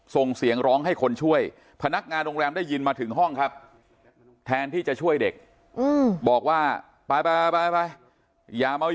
ส่งเสียงร้องให้คนช่วยพนักงานโรงแรมได้ยินมาถึงห้องครับแทนที่จะช่วยเด็กบอกว่าไปไปอย่ามา